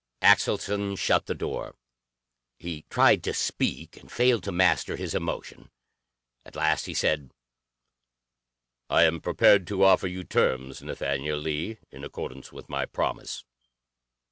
Axelson shut the door. He tried to speak and failed to master his emotion. At last he said: "I am prepared to offer you terms, Nathaniel Lee, in accordance with my promise."